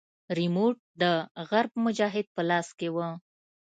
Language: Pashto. ريموټ د عرب مجاهد په لاس کښې و.